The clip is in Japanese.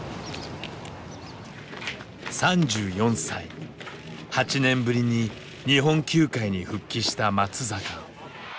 ３４歳８年ぶりに日本球界に復帰した松坂。